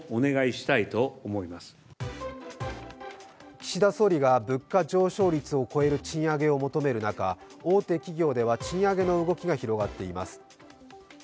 岸田総理が、物価上昇率を超える賃上げを求める中、大手企業では賃上げの動きが広がっています。